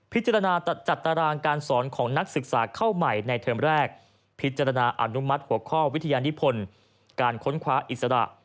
จัดตารางการสอนของนักศึกษาเข้าใหม่ในเทอมแรกพิจารณาอนุมัติหัวข้อวิทยานิพลการค้นคว้าอิสระ